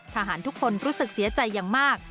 ทหารทุกคนรู้สึกเสียใจอย่างมาก